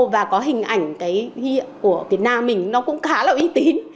và có hình ảnh cái hiệu của việt nam mình nó cũng khá là uy tín